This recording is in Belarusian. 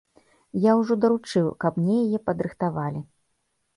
Я ўжо даручыў, каб мне яе падрыхтавалі.